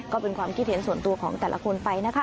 ก็เป็นความคิดเห็นส่วนตัวของแต่ละคนไปนะคะ